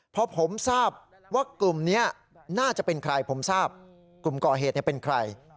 พอผมทราบว่ากลุ่มนี้น่าจะเป็นใครผมทราบกลุ่มก่อเหตุเป็นใคร